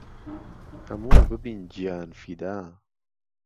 ههموو ببین گیانفیدا